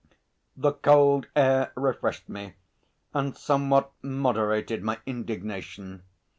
The cold air refreshed me and somewhat moderated my indignation.